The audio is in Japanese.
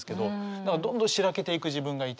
だからどんどん白けていく自分がいて。